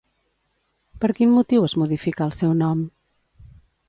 Per quin motiu es modificà el seu nom?